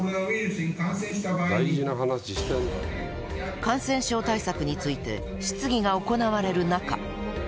感染症対策について質疑が行われる中。